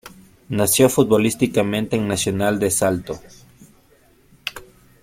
Nació futbolísticamente en Nacional de Salto.